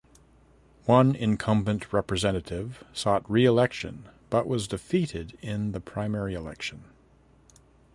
One incumbent representative sought reelection but was defeated in the primary election.